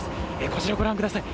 こちらご覧ください。